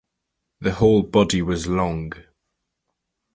The whole body was long.